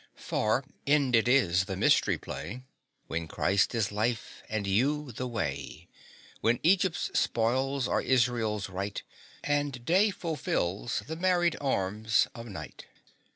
For ended is the Mystery Play, When Christ is life, and you the way; When Egypt's spoils are Israel's right, And Day fulfils the married arms of Night.